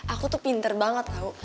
aku tuh pinter banget loh